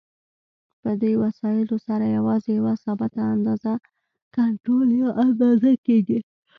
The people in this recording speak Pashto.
په دې وسایلو سره یوازې یوه ثابته اندازه کنټرول یا اندازه کېږي.